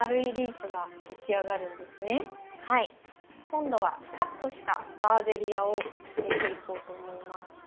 今度はカットしたバーゼリアを入れていこうと思います。